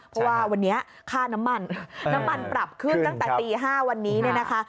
เพราะว่าวันนี้ค่าน้ำมันน้ำมันปรับขึ้นตั้งแต่ตี๕วันนี้เนี่ยนะคะ